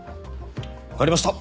わかりました！